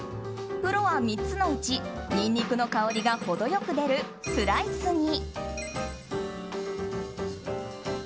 プロは３つのうちニンニクの香りが程良く出るスライスに。